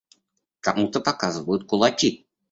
Кому-то показывают кулаки.